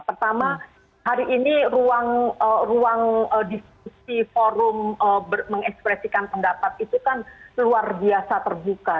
pertama hari ini ruang diskusi forum mengekspresikan pendapat itu kan luar biasa terbuka